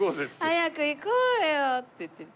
「早く行こうよ」って言ってる。